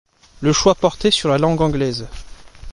Le choix portait sur la langue anglaise.